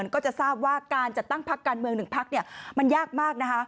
ก็จะทราบว่าการจัดตั้งพักการเมือง๑พักมันยากมากนะคะ